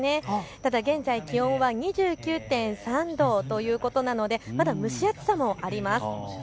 ただ現在、気温は２９．３度ということなのでまだ蒸し暑さもあります。